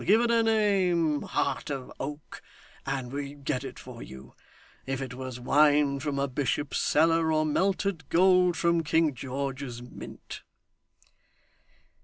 Give it a name, heart of oak, and we'd get it for you, if it was wine from a bishop's cellar, or melted gold from King George's mint.